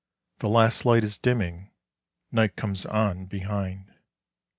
The last light is dimming; night comes on behind.